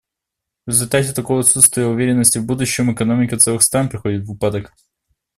В результате такого отсутствия уверенности в будущем экономика целых стран приходит в упадок.